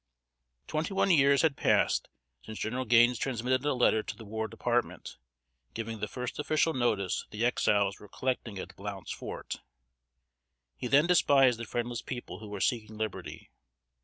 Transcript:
Twenty one years had passed since General Gaines transmitted a letter to the War Department, giving the first official notice that the Exiles were collecting at "Blount's Fort." He then despised the friendless people who were seeking liberty.